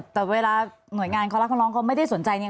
แต่เวลาหน่วยงานก็ไม่ได้สนใจ